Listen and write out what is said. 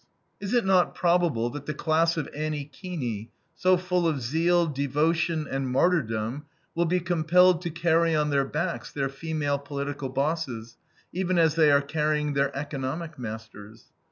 Is it not probable that the class of Annie Keeney, so full of zeal, devotion, and martyrdom, will be compelled to carry on their backs their female political bosses, even as they are carrying their economic masters.